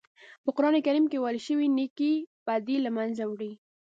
په قرآن کریم کې ویل شوي نېکۍ بدۍ له منځه وړي.